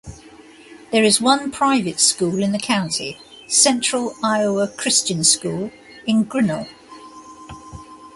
There is one private school in the county, Central Iowa Christian School, in Grinnell.